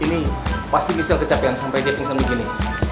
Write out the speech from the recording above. ini pasti michelle kecapean sampe dia pingsan begini